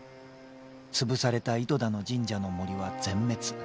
潰された糸田の神社の森は全滅。